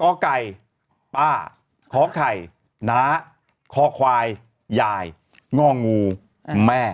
ก้อกไก่ป้าคอไข่หนาคอควายยายงอกงูแม่